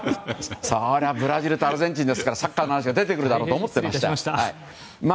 ブラジルとアルゼンチンですからサッカーの話が出てくるだろうと思っていました。